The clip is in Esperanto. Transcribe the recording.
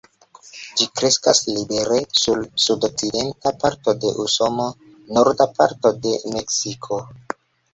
Ĝi kreskas libere sur sudokcidenta parto de Usono, norda parto de Meksiko.